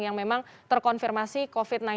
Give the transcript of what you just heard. yang memang terkonfirmasi covid sembilan belas